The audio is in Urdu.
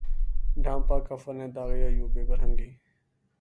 ڈھانپا کفن نے داغِ عیوبِ برہنگی